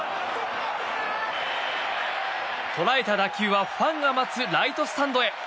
捉えた打球はファンが待つライトスタンドへ。